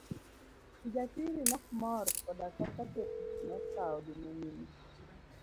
Kijasiri nok mor koda kaka thoth ji nokawo joma mine.